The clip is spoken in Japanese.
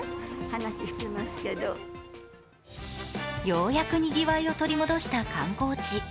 ようやくにぎわいを取り戻した観光地。